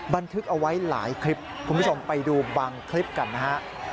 บันทึกเอาไว้หลายคลิปคุณผู้ชมไปดูบางคลิปกันนะฮะ